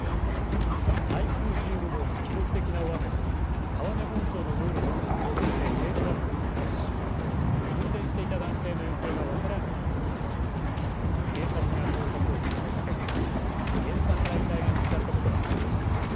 台風１５号の記録的な大雨で川根本町の道路が陥没して軽トラックが転落し運転していた男性の行方が分からなくなっている事故で警察が捜索を進めた結果現場から遺体が見つかったことが分かりました。